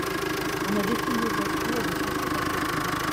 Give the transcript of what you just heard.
on a défendu aux voitures de passer par cette route.